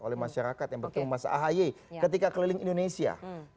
oleh masyarakat yang bertemu mas ahaye ketika keliling indonesia